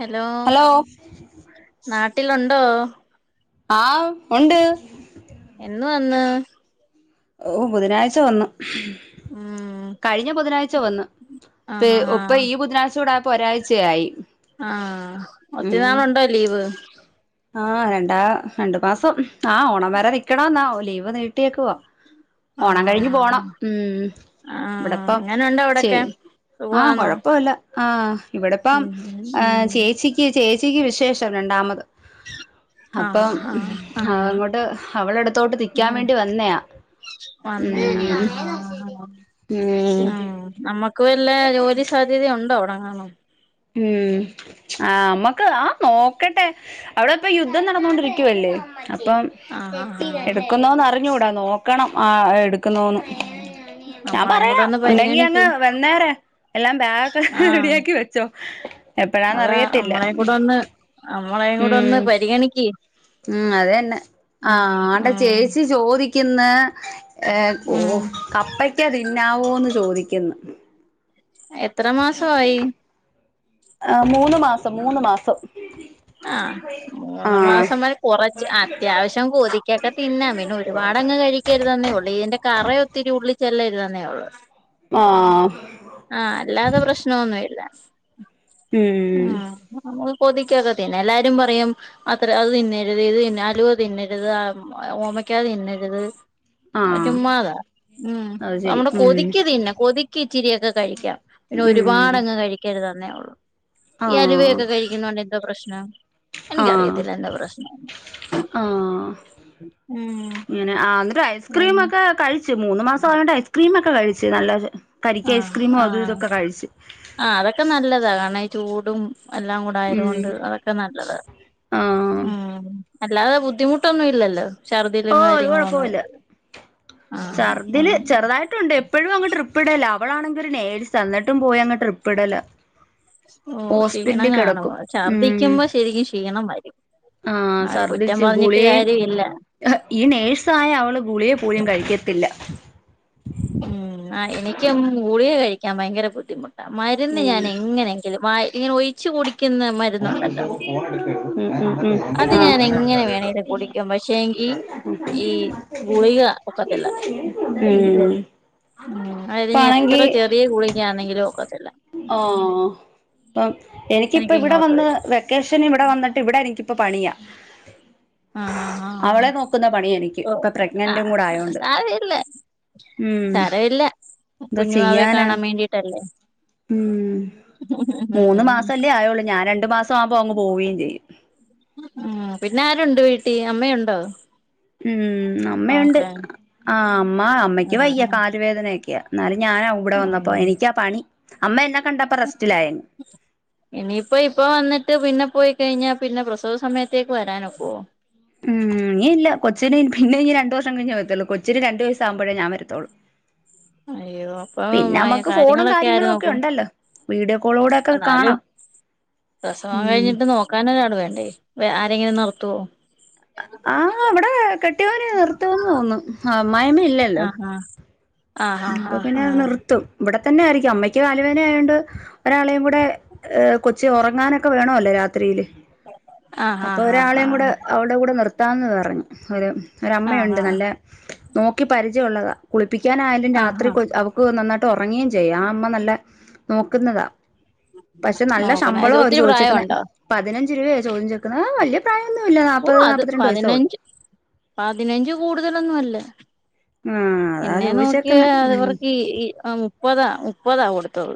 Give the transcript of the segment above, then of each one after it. Hello നാട്ടിലുണ്ടോ? ആഹ ഉണ്ട് എന്ന് വന്ന്? ഓ ബുധനാഴ്ച വന്നു ഉം കഴിഞ്ഞ ബുധനാഴ്ച വന്ന് ഇപ്പ ആഹ് ആഹ് ഒപ്പ ഈ ബുധനാഴ്ച കൂട ഒരാഴ്ചയായി ആഹ ഉം ഒത്തിരിനാളുണ്ടോ ലീവ്? ആഹ് രണ്ടാ രണ്ടു മാസം ആഹ ഓണം വരെ നിൽക്കണ എന്നോ ലീവ് നീട്ടിയക്കുവവാ ഓണം ആഹ് കഴിഞ്ഞു ആഹ് പോണം ആഹ് ആഹ് ഇവിടപ്പം എങ്ങനുണ്ട് ചേച്ചി അവിടൊക്കെ ആഹ സുഖവാന്നോ കെഴപ്പവുല്ല ആ് ഇവിടെപ്പം ഉം ഉം ചേച്ചിക്ക് ചേച്ചിക്ക് വിശേഷം രണ്ടാമത് ആഹ് അപ്പം ആഹ് ആഹ് അങ്ങോട്ട് അവള എടുത്തോട്ട് നിക്കാൻ വേണ്ടി വന്നയാ വന്നെ ആ ഉം ആഹാ ഉം നമ്മക്ക് വല്ല ജോലി സാ കര്യം ഉണ്ടേഅവിടെ കാണും ഉം ആ അമ്മക്ക് ആ നോക്കട്ടെ അവിടെ ഇപ്പ യുദ്ധം നടന്നോണ്ടിരിക്കുവല്ലേ അപ്പം ആഹ് ആഹ് ആഹ് എടുക്കുന്നോന്ന് അറിഞ്ഞൂടാ നോക്കണം ആ എടുക്കുന്നോന്ന് ഞാ നമ്മളെയും കൂടെ പറയാ ഒന്ന് ഉണ്ടെങ്കി പരിഗണിക്ക് അങ്ങ് വന്നേരെ എല്ലാം ബാഗ ഒക്കെ ആഹ് റെഡിയാക്കി വെച്ചോ അതാ എപ്പഴാന്നറിയത്തില്ല നമ്മളേയും കൂടെ ഒന്ന് നമ്മളേയും കൂടെ ഉം ഒന്ന് പരിഗണിക്കി. ഉം അത തന്നെ ആഹ ആടെ ഉം ചേച്ചി ചോദിക്കുന്ന ഓ ഉം കപ്പയ്ക്ക തിന്നാവോന്ന് ചോദിക്കുന്നു എത്ര മാസ ആയി? ആ മൂന്ന് മാസം മൂന്ന് മാസം ആ മൂന്ന് മാസം ആ വരെ കുറച്ച് അത്യാവശ്യം കോതിക്കക്കെ തിന്നാ പിന്നെ ഒരുപാട് അങ്ങ് കഴിക്കരുത് തന്നേ ഉള്ളൂ ഇതിന്റെ കറയ ഒത്തിരി ഉള്ളി ചെല്ലരുത് തന്നേ ഉള്ളൂ. ഏഹ ആഹ അല്ലാതെ പ്രശ്നൊന്നുമല്ല ഉ ഉം ആ നമ്മ കൊതിക്കുവൊക്കെ തിന്നാ എല്ലാരും പറയും അത്ര അത് തിന്നരുത് ഇത് തിന്ന അലുവ തിന്നരുത് ഓമയ്ക്കാ തിന്നരുത് ആഹ് ചുമ്മാതെ ഉ അത് ശരി നമ്മടെ ഉം കൊതിക്ക തിന്നെ കൊതിക്ക ഇച്ചിരിൊക്കെ കഴിക്കാം പിന്നെ ഉം ഒരുപാട് അങ്ങ് കഴിക്കരുത് തന്നേ ഉള്ളു ഈ ആഹ് അലുവയൊക്കെ കഴിക്കുന്നോണ്ട് എന്തോ പ്രശ്നം ആഹ് എനിക്കറിയത്തില്ല എന്താ പ്രശ്ന ഉ ആ അന്നേരം ഐസ്ക്രീം ഒക്കെ കഴിച്ച് മൂന്ന് മാസം ആയോണ്ട് ഐസ്ക്രീം ഒക്കെ കഴിച്ച് നല്ലപോലെ കരിക്കക്ക് ഐസ്ക്രീമോ അതും ഇതൊക്കെ കഴിച്ച് ആഹ അതൊക്കെ നല്ലതാ കാരണം ഈ ചൂടും എല്ലാം കൂടെ ഉം ആയതുകൊണ്ട് അതൊക്കെ നല്ലത് ആഹ് ഉ അല്ലതെ ബുദ്ധിമുട്ടൊന്നും ഇല്ലല്ലോ ഷർദിലും ഓഹ് ഒരു കാര്യങ്ങളൊ ഒന്നും കുഴപ്പവുല്ല ഇല്ല ആ ഉണ്ട് എപ്പോഴും അങ്ങ് ട്രിപ്പിടല് അവൾ ആണെങ്കിൽ ഒരു നേഴ്സ് എന്നിട്ടും അങ്ങ് പോയി ട്രിപ്പിടല ഓ ക്ഷീണം കാണും ഉം ഛർദ്ദിക്കുമ്പോ ശരിക്കും ക്ഷീണം വരും ആഹ് ആ കുറ്റം ഛർദിച്ചു പറഞ്ഞിട്ട് ഗുളികയും കാര്യ ഇില്ല ഈ നേഴ്സായ അവള് ഗുളിക യെ പോലും കഴിക്കത്തില്ല ഉം ആഹ് എനിക്ക് ഗുളിക കഴിക്കാൻ ഭയങ്കര ബുദ്ധിമുട്ടാ മരുന്ന് ഉം ഞാൻ എങ്ങനെ ഇങ്ങനെ ഒഴിച്ച് കുടിക്കുന്ന മ ഉം അത് ഞാൻ എങ്ങനെ ഉം വേണേലും കുടിക്കും പക്ഷേങ്കി ഉം ഈ ഗുളിക ആ ഒക്കത്തില്ല ഉം ഉം അതിനി എത്ര ഇപ്പാണെങ്കി ചെറിയ ഗുളിക്ക ആണെങ്കിലും ഒക്കത്തില്ല ആ അപ്പം എനിക്ക് എനിക്കിപ്പം ഇവിടെ ഇങ്ങോട്ട് വന്ന് വരും വെക്കേഷൻ ഇവിടെ വന്നിട്ട് ഇവിടെ എനിക്ക് ഇപ്പം പണിയാ ആ ആ ആ അവളെ നോക്കുന്ന പണിയാ എനിക്ക് ഓ ഇപ്പൊ ആ പ്രഗ്നന്റും കൂടെ ആയോണ്ട് സാരമില്ല ഉം സാരമില്ല എന്തോ കുഞ്ഞുവാവെ ചെയ്യാനാ കാണാൻ വേണ്ടിട്ടല്ലേ ഉം മൂന്ന് ഉം മാസം അല്ലേ ആയുള്ളൂ ഞാൻ രണ്ടു മാസം ആവുമ്പോ അങ്ങ് പോവുകയും ചെയ്യും ഉം പിന്നെ ആരുണ്ട് വീട്ടിൽ അമ്മയുണ്ടോ? ഉം അമ്മയുണ്ട് നോക്കാൻ ആ അമ്മ അമ്മയ്ക്ക് വയ്യ ആഹ് കാല് വേദനയൊക്കെയാ എന്നാലും ഞാനാ ഇവിടെ വന്നപ്പോ ആഹ് എനിക്കാ പണി അമ്മ എന്നെ കണ്ടപ്പൊ റസ്‌റ്റിലായി ഇനിയിപ്പ ഇപ്പം വന്നിട്ട് പിന്നെ പോയി കഴിഞ്ഞാ പിന്നെ പ്രസവ സമയത്തേക്ക് വരാൻ ഒക്കുമോ? ഉം ഇനി ഇല്ല കൊച്ചിന് പിന്നെയിനി രണ്ട് വർഷം കഴഞ്ഞെ വരത്തുള്ളൂ കൊച്ചിന് രണ്ടു വയസ്സാവുമ്പോഴെ ഞാൻ വരത്തുള്ളൂ അയ്യോ അപ്പൊ പിന്നെ മ്മ നമുക്ക് ഫോണും കാര്യങ്ങളൊക്കെ ആര് കാര്യങ്ങളും ഒക്കെ നോക്കും ഉണ്ടല്ലോ വീഡിയോ കോളിലൂടൊക്കെ എന്നാലും കാണാം ഉം നോക്കാൻ ഒരാൾ വേണ്ടേ ആരെങ്കിലും നിർത്തുമോ ആ അവിടെ കെട്ടിയോന് നിർത്തുമെന്ന് തോന്നുന്നു അമ്മായമ്മയി ആ ആ ആ ആ പിന്നെ ആ നിർത്തും ഇവിടെ തന്നെ ആയിരിക്കും അമ്മയ്ക്ക് കാലുവേദന ആയോണ്ട് ഒരാളെയും കൂടെ ഏ കൊച്ച് ഉറങ്ങാനൊക്കെ വേണമല്ലോ രാത്രിയില് ആഹ് ആഹ് അപ്പൊ ആഹ് ആഹ് ഒരാളെയും കൂടെ ആഹ് അവളുടെ കൂടെ നിർത്താമെന്ന് പറഞ്ഞു ഒരു ആഹ് ഒരമ്മയുണ്ട് ആഹ് നല്ല നോക്കി പരിചയമുള്ളതാ കുളിപ്പിക്കാനായാലും ആഹ് രാത്രി ആഹ് കൊ അവ ക്കു നന്നായിട്ട് ഉറങ്ങുകയും ചെയ്യാം ആ അമ്മ നല്ല നോക്കുന്നതാ പക്ഷെ നല്ല നോക്കുന്ന ശമ്പളമാ അവര് ഒത്തിരി ചോദിച്ചേക്കുന്നേ പ്രായമുണ്ടോ പതിനഞ്ച് രൂപയാ ചോദി ച്ചക്കുന്നത് ആ വല്യ പ്രായമൊന്നുമില്ല ഓ നാപ്പത് അത് നാപ്പത്തി രണ്ട് വയസ്സേയുള്ളൂ പതിനഞ്ച് പതിനഞ്ച് കൂടുതലൊന്നും അല്ല ആഹ് അതാ എന്നെ നോക്കിയാ ചോദിച്ചേക്കുന്നെ ഉം അവർക്കീ ഇ മുപ്പതാ മുപ്പതാ കൊടുത്തത്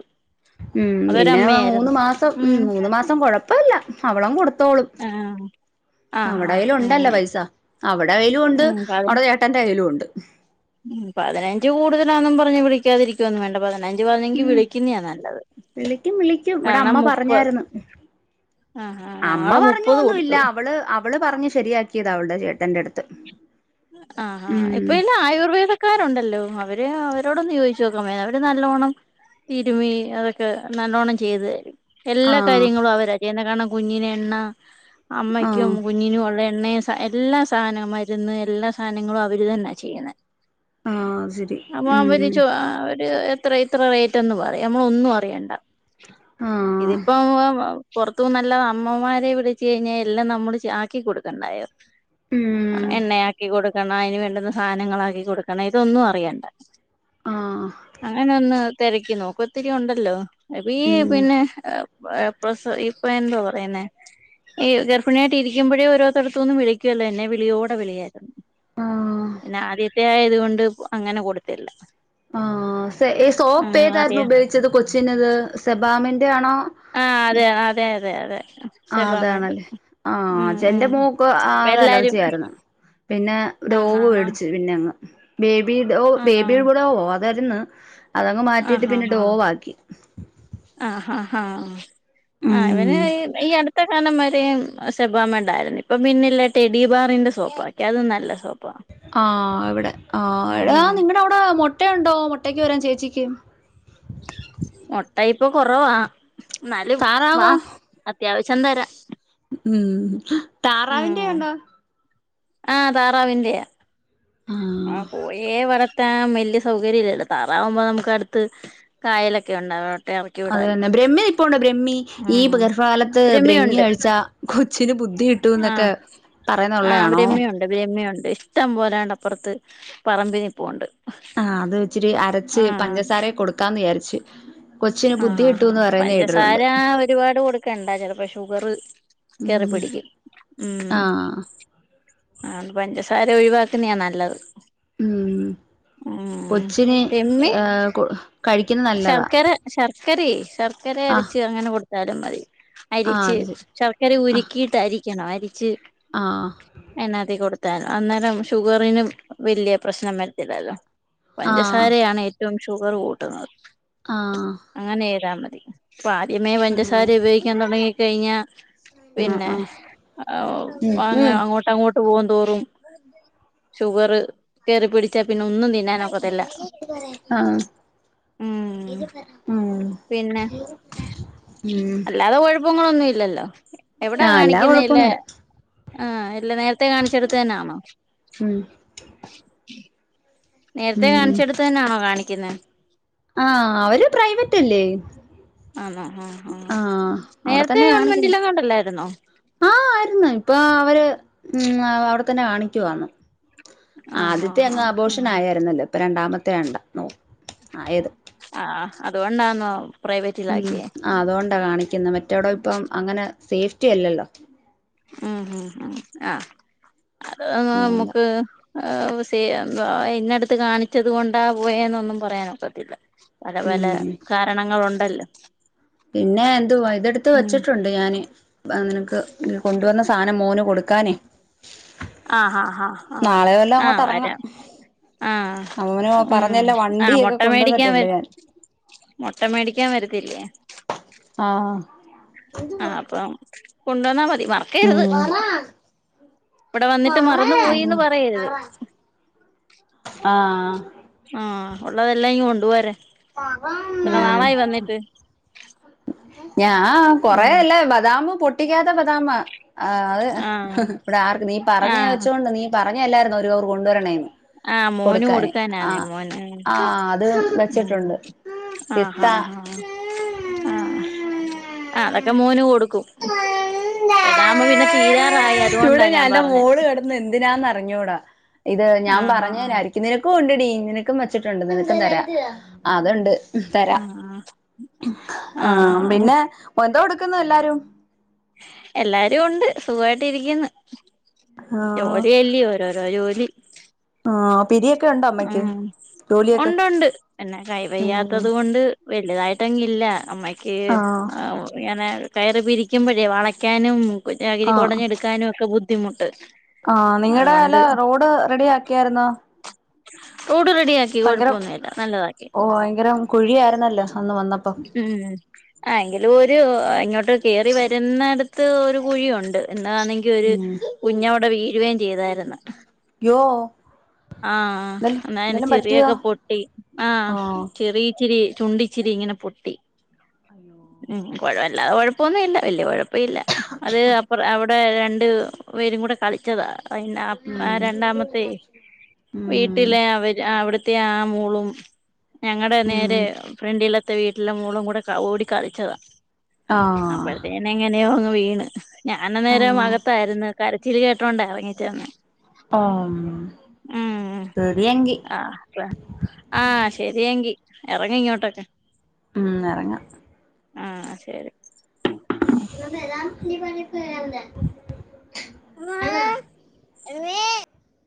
ഉം പിന്നെ അ മൂന്ന് മാസം ഉം മൂന്ന് മാസം കുഴപ്പമില്ല അവളങ്ങ് കൊടുത്തോളും ആഹ് ആഹ് അവടെ ആഹ് കയ്യിലുണ്ടല്ലോ ഉം പൈസ അവടെ കൈയ്യിലുമുണ്ട് ഉം പതി അവടെ ചേ ട്ടൻ്റെ കയ്യിലും ഉണ്ട് ഉം പതിനഞ്ച് കൂടുതലാന്നും പറഞ്ഞ് വിളിക്കാതിരിക്കുവൊന്നും വേണ്ട പതിനഞ്ച് വരുവാണെങ്കിൽ വിളിക്കുന്നതാ നല്ലത് വിളിക്കും വിളിക്കും ഇവിടെ കാരണം അമ്മ മുപ്പത് പറഞ്ഞായിരുന്നു ആ ആ അമ്മ ഞങ്ങള് പറഞ്ഞു മുപ്പത് ഒന്നുമില്ല കൊടുത്തു അവള് അവള് പറഞ്ഞ് ശരിയാക്കിയതാ അവളുടെ ചേട്ടന്റെ അടുത്ത് ആ ആ ഇപ്പൊ ഉം എല്ലാം ആയുർവേദ ക്കാരുണ്ടല്ലോ അവര് അവരോടൊന്ന് ചോദിച്ച് നോക്കാൻമേലാരുന്നോ അവര് നല്ലോണ്ണം തിരുമ്മി അതൊക്കെ നല്ലോണ്ണം ചെയ്തു തരും എല്ലാ ആഹ് കാര്യങ്ങളും അവരാ ചെയ്യുന്നേ കാരണം കുഞ്ഞിന് എണ്ണ അമ്മയ്ക്കും ആഹ് കുഞ്ഞിനും ഉള്ള എണ്ണയും എല്ലാം സാധന മരുന്ന് എല്ലാ സാധനങ്ങളും അവര് തന്നാ ചെയ്യുന്നത്. ആഹ് ശരി അപ്പൊ അവര് ഉം ച്ചോ അവര് ഇത്ര ഇത്ര റേറ്റ് എന്ന് പറയും നമ്മളൊന്നും അറിയണ്ട ആഹ് ഇതിപ്പം വ പുറത്തുനിന്നും അമ്മമാരെ വിളിച്ചു കഴിഞ്ഞാൽ എല്ലാം നമ്മള് ചെ ആക്കി കൊടുക്കണ്ടായോ ഉം എണ്ണയാക്കി കൊടുക്കണം അതിന് വേണ്ടുന്ന സാധനങ്ങളാക്കി കൊടുക്കണം ഇതൊന്നും അറിയണ്ട ആഹ് അങ്ങനെ ഒന്ന് തിരക്കി നോക്ക് ഒത്തിരി ഉണ്ടല്ലോ അ പീ ഉം പിന്നെ പ്രസ് ഇപ്പൊ എന്താ പറയുന്നേ ഈ ഗർഭണിയായിട്ട് ഇരിക്കുമ്പോഴും ഓരോത്തട്ത്തൊന്നും വിളിക്കുവല്ലോ എന്നെ വിളിയോടെ വിളിയായിരുന്നു ആഹ് പിന്നെ ആദ്യത്തെ ആയത് കൊണ്ട് അങ്ങനെ കൊടുത്തില്ല ആ ആ സോപ്പ് ഏതായിരുന്നു അറിയാ ഉപയോഗിച്ചത് കൊച്ചിന് അത് സെബാമിന്റെ ആണോ ആ അതെ അതെ അതെ അതെ ആ സെബാമേട്ട് അതാണല്ലേ ആ ഉം ഉം എന്റെ മോക്കു ആ അത് അലർജി എല്ലാരും ആയിരുന്നു പിന്നെ ആഹ് ടോവ് മേടിച്ചു പിന്നെ അങ്ങ് ബേബിടോ ആഹ് ആഹ് ബേബിടോവോ അതായിരുന്നു അതങ്ങ് മാറ്റിയിട്ട് ആഹ് ആഹ് പിന്ന ആഹ് ഡോവാക്കി ആഹ് ആഹ് ആ ഇവന് ഉം ഈ അടുത്ത് ത്ത കാലം വരെ സെബാമ ണ്ടായിരുന്നു ഇപ്പം പിന്നല്ലേ ടെഡി ബാറിന്റെ സോപ്പാക്കി അതും നല്ല സോപ്പാ. ആ ഇവിടെ ആ എടാ നിങ്ങടെ അവിടെ മൊട്ടയുണ്ടോ മുട്ടക്ക് വരാൻ ചേച്ചിക്ക് മൊട്ട ഇപ്പൊ കുറവാ എന്നലും വാ താറാവോ അത്യാവശ്യം തരാം ഉം താറാവിന്റെ ഒണ്ടോ ആ താറാവിന്റെയാ ആഹ് എ വളർത്താൻ വലിയ സൗകര്യമില്ലല്ലോ താറാവുമ്പോ നമുക്ക് അടുത്ത് കായലൊക്കെ ഉണ്ടാവും അത് തന്നെ ബ്രഹ്മി നിപ്പോണ്ടോ ബ്രഹ്മി ഈ ഗർഭകാലത്ത് ബ്രഹ്മി രമ്യയുണ്ട് കഴിച്ചാ കൊച്ചിന് ബുദ്ധി കിട്ടും എന്നൊക്കെ പറയുന്ന ഒള്ളയാണോ ബ്രഹ്മിയുണ്ട് ഇഷ്ടം പോലെ ദാണ്ട അപ്പുറത്ത് പറമ്പി നിപ്പുണ്ട് ആഹ് അത് ഇച്ചിരി അരച്ച് പഞ്ചസാരയെ കൊടുക്കാന്ന് വിചാരിച്ചു ആഹ് ആ ആ പഞ്ചസാര ഒരുപാട് കൊടുക്കണ്ടാ ചിലപ്പോ ഷുഗർ കേറി ഉം പിടിക്കും ഉം ആഹ് ആഹ് പഞ്ചസാര ഒഴിവാക്കുന്നയാ നല്ലത് ഉം ഉം കൊച്ചിനെ രമ്യ ഏ കൊടു ശർക്കര ശർക്കരേ ശർക്കര ആഹ് അരച്ച് അങ്ങനെ കൊടുത്താലും മതി ആഹ് അരിച്ച് അത് ശരി ശർക്കര ആഹ് ഉരുക്കിയിട്ട് അരിക്കണം അരിച്ച് ആഹ് അനാത്തി കൊടുത്താലും അന്നേരം ഷുഗറിന് വലിയ പ്രശ്നം വരത്തില്ലല്ലോ ആഹ് പഞ്ചസാരയാണ് ഏറ്റവും ഷുഗർ കൂട്ടുന്നത് ആഹ് അങ്ങനെ ചെയ്താ മതി ഇപ്പൊ ആദ്യമേ ആഹ് പഞ്ചസാര ഉപയോഗിക്കാൻ തുടങ്ങി കഴിഞ്ഞാൽ ആഹ് പിന്നെ ആഹ് ഉം അങ്ങ ഉം അങ്ങോട്ട് അങ്ങോട്ട് പൂവും തോറും ഷുഗർ കയറി പിടിച്ചാ പിന്നെ ഒന്നും തിന്നാനൊക്കതില്ല ആഹ് ആഹ് പിന്നെ അല്ലാതെ കുഴപ്പങ്ങളൊന്നും ഇല്ലല്ലോ എവിടാ ആഹ് അല്ലാ കാണിക്കിന്നെ ഇല്ലെ കൊഴപ്പൊന്നുല്ല ആ ഇല്ല നേര്ത്തെ കാണിച്ചെട്ത്ത് തന്നെയാന്നോ? ഉം നേര്ത്തെ ഉം കാണിച്ചെട്ത്ത് തന്നെയാണോ കാണിക്കിന്നെ? ആഹ് അവര് പ്രൈവെറ്റ് അല്ലെ? ആന്നോ? ആഹ് ആഹ് അവിടെ നേര്ത്തെ തന്നെ കാണിക്കുന്നത് ഗവൺമെന്റിലാ എങ്ങാണ്ട് അല്ലായിരുന്നോ? ആഹ് ആയിര്ന്ന് ഇപ്പൊ അവര് ഉം അവ അവ്ടെ തന്നെ കാണിക്കുവാന്ന്. ആഹ് ആദ്യത്തെ ആഹ് അങ്ങ് അബോഷെൻ ആഹ് ആയായിര്ന്നല്ലോ ഇപ്പം രണ്ടാമത്തെ ആണല്ലോ നോ ആയെത് ആഹ് അതുകൊണ്ടാന്നോ ഉം പ്രൈവറ്റിലാക്കിയേ ആ അതുകൊണ്ടാ കാണിക്ക്ന്നെ മറ്റോടം ഇപ്പം അങ്ങനെ സേഫ്റ്റി അല്ലല്ലോ ഉം ഉം ഉം ആ അത്‌ [unintelligible] അതുകൊണ്ടാ നമ്മുക്ക് [unintelligible] ഇന്നെ അട്ത്ത് കാണിച്ചെത് കൊണ്ടാ പോയെന്നൊന്നും പറയാൻ ഒക്കത്തില്ല പല പല ഉം കാരണങ്ങൾ ഉണ്ടല്ലോ? പിന്നെ എന്തുവാ ഇത് എടുത്ത് വെച്ചിട്ടു ണ്ട് ഞാന് ബാ നിനെക്ക് കൊണ്ടുവന്ന സാനം മോന് കൊട്ക്കാനേ ആഹ് ആഹ് ആഹ് ആഹ് നാളെ വല്ലോം ഓക്കെ ആഹ് അങ്ങോട്ട് ഇറങ്ങാം വരാം ആഹ് അവന് ഉം പറഞ്ഞല്ലോ ആഹ് വണ്ടിയൊക്കെ മൊട്ടമേടിക്കാൻ കൊണ്ടുവന്നിട്ടുണ്ട് വെര് ഞാൻ മൊട്ടമേടിക്കാൻ വരത്തില്ലെ? ആഹ് ആഹ് ഉം അപ്പം കൊണ്ടു വന്നാ മതി മർ ക്കെര്ത് ഇവടെ വന്നിട്ട് മറന്ന് പോയീന്ന് പറയെര്ത് ആഹ് ആഹ് ഒള്ളതെല്ലാം ഇങ്ങ് കൊണ്ട് പോര് എത്ര നാളായി വന്നിട്ട് ഞാ കൊറെ ഉം അല്ലെ ബദാമ് പൊട്ടിക്കാത്ത ബദാമാ ആഹ് അഹ് ആഹ് ഇബടെ ആർക്ക് നീ പറഞ്ഞ് ആഹ് വെച്ചോണ്ട് നീ പറഞ്ഞെ അല്ലായിരുന്നോ ഒരു [unintelligible] കൊണ്ടു വരണേന്ന് ആഹ് മോന് കൊട്ക്കാന് കൊടുക്കാനാണേ ആഹ് മോന് ആഹ് അത് ഉം വെച്ചിട്ടുണ്ട് ആഹ് പിസ്ത ആഹ് ആഹ് ആഹ് ആഹ് ആഹ് അതൊക്കെ മോന് കൊട് ക്കും ബെദാമ് പിന്നെ തീരാറായി അത് കൊണ്ടാ ഞാൻ പറഞ്ഞെ ഇന്ന് എന്തിനാന്ന് അറിഞ്ഞൂടാ ഇത് ഞാൻ ആഹ് ആഹ് പറഞ്ഞെനായിരി നിനെക്കും ഉണ്ട് എടി നിനെക്കും വെച്ചിട്ടുണ്ട് നിനെക്കും തെരാ ആ അതുണ്ട് തരാം ആഹ് ആഹ് പിന്നെ എന്തോ എട്ക്കുന്നു എല്ലാരും എല്ലാരും ഉണ്ട് സുഖവായിട്ട് ഇരിക്ക്ന്ന് ആഹ് ജോലി അല്ലിയോ ഓരോരോ ജോലി ആഹ് അപ്പ് പിരിയൊക്കെ ഇണ്ടോ? ഉം ഒണ്ട് ഒണ്ട് പിന്നെ കൈ ഉം വെയ്യാത്തെത് കൊണ്ട് വെല്ല്തായിട്ട് അങ്ങ് ഇല്ല അമ്മെക്ക് ആഹ് ഏഹ് ഇങ്ങനെ കയറ് പിരിക്കുമ്പഴെ വളക്കാനും ചകിരി ആഹ് കൊടഞ്ഞ് എട്ക്കാനും ഒക്കെ ബുദ്ധിമുട്ട്. ആഹ് നിങ്ങടെ അതുകൊണ്ട് അയിലെ റോഡ് റെഡിയാക്കിയായിര്ന്നോ? റോഡ് റെഡിയാക്കി കൊഴപ്പൊന്നും ഇല്ലാ നല്ലതാക്കി ഓ ഭയങ്കരം കുഴിയായിര്ന്നല്ലോ അന്ന് വന്നപ്പം. ഉം ആഹ് എങ്കിലും ഒര് ഇങ്ങോട്ട് കേറി വര്ന്നട്ത്ത് ഒര് കുഴിയുണ്ട് ഇന്നാന്നെ ങ്കി ഒര് ഉം കുഞ്ഞ് അവ്ടെ വീഴുവെം ചെയ്തായ്ര്ന്ന് യ്യോ ആഹ് എന്തേലും ഇന്നാ അയിന്റെ എന്തേലും പറ്റിയോ ചിറിയൊക്കെ പൊട്ടി ആഹ് ചിറി ഇച്ചിരി ചുണ്ട് ഇച്ചിരി ഇങ്ങനെ പൊട്ടി ഉം കൊഴ വല്ലാ കൊഴപ്പൊ ഒന്നും വില്ലാ വല്ല്യ കൊഴ പ്പി ഇല്ലാ അത് അപ്പ്റം അയുടെ രണ്ട് പേരും കൂടെ കളി ച്ചെതാ പിന്നെ അപ്പ് ആ ഉം രണ്ടാമത്തെയ് ഉം വീട്ടിലെ അവര് അവ്ടത്തെ ആ മോളും ഞങ്ങടെ ഉം നേരെ ഫ്രണ്ടില ത്തെ വീട്ട്ലെ മോളും കൂടെ ക ഓടി കളിച്ചെതാ ആഹ് അപ്പഴത്തെന് എങ്ങനെയോ അങ്ങ് വീണ്. ഞാൻ അന്നേരം ആഹ് അകത്തായിര്ന്ന് കരച്ചിൽ കേട്ടോണ്ടാ അറങ്ങി ചെന്നെ ആഹ് ശെരിയെങ്കി ആഹ് ആഹ് ശെരിയെങ്കി എറങ്ങ് ഇങ്ങോട്ടൊക്കെ ഉം എറങ്ങാ ആഹ് ശെരി [unintelligible] മ്മേ